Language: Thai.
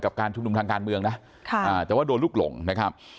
การชุมนุมทางการเมืองนะแต่ว่าโดนลูกหลงนะครับ